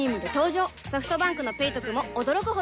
ソフトバンクの「ペイトク」も驚くほどおトク